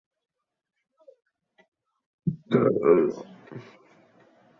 年轻的施华洛世奇就是在这里从一个学徒成为人造水晶切割工艺行业的专业人士。